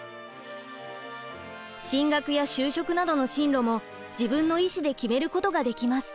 進学や就職などの進路も自分の意思で決めることができます。